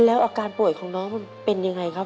แล้วอาการป่วยของน้องเป็นยังไงครับ